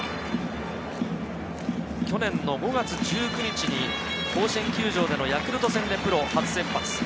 去年の５月１９日に甲子園球場でのヤクルト戦でプロ初先発。